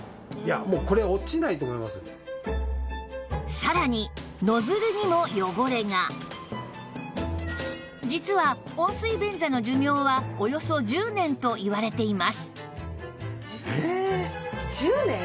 さらに実は温水便座の寿命はおよそ１０年といわれています